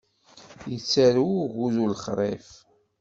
Yettarew ugudu lexṛif.